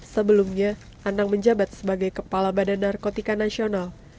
sebelumnya anang menjabat sebagai kepala badan narkotika nasional